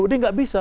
jadi gak bisa